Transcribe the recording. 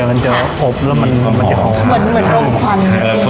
มันจะอบแล้วมันมันจะหอมค่ะเหมือนเหมือนดมควันใช่เออ